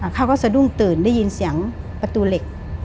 เขาก็สะดุ้งตื่นได้ยินเสียงประตูเหล็ก